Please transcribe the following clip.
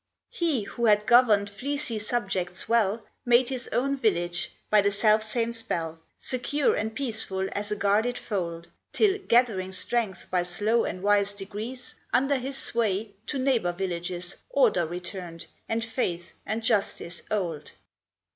He, who had governed fleecy subjects well, Made his own village, by the self same spell, Secure and peaceful as a guarded fold, Till, gathering strength by slow and wise degrees, Under his sway, to neighbor villages Order returned, and faith and justice old.